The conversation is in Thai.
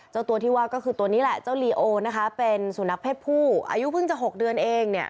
เจ้าตัวที่ว่าก็คือตัวนี้แหละเจ้าลีโอนะคะเป็นสุนัขเพศผู้อายุเพิ่งจะ๖เดือนเองเนี่ย